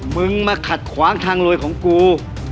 มึงมาขัดขวางทางรวยของกู